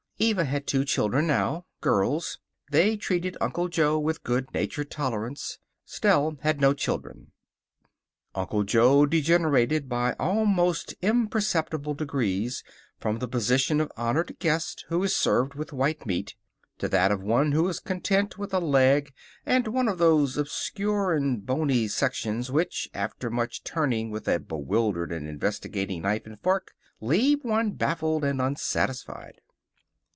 Eva had two children now. Girls. They treated Uncle Jo with good natured tolerance. Stell had no children. Uncle Jo degenerated, by almost imperceptible degrees, from the position of honored guest, who is served with white meat, to that of one who is content with a leg and one of those obscure and bony sections which, after much turning with a bewildered and investigating knife and fork, leave one baffled and unsatisfied.